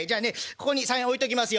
ここに３円置いときますよ」。